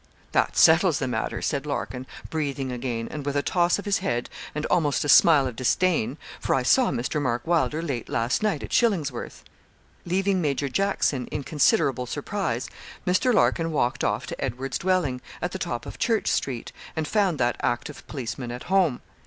'That settles the matter,' said Larkin, breathing again, and with a toss of his head, and almost a smile of disdain: 'for I saw Mr. Mark Wylder late last night at Shillingsworth.' Leaving Major Jackson in considerable surprise, Mr. Larkin walked off to Edwards' dwelling, at the top of Church Street, and found that active policeman at home.